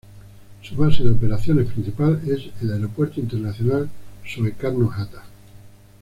Su base de operaciones principal es el Aeropuerto Internacional Soekarno-Hatta.